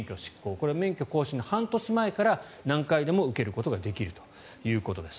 これは免許更新の半年前から何回でも受けることができるということです。